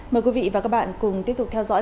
mời quý vị và các bạn cùng tiếp tục theo dõi